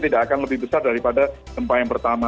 tidak akan lebih besar daripada gempa yang pertama